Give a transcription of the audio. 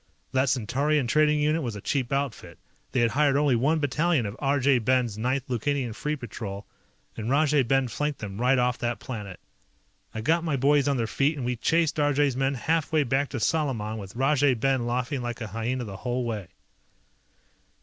That Centaurian trading unit was a cheap outfit, they had hired only one battalion of Arjay Ben's Ninth Lukanian Free Patrol, and Rajay Ben flanked them right off that planet. I got my boys on their feet and we chased Arjay's men half way back to Salaman with Rajay Ben laughing like a hyena the whole way.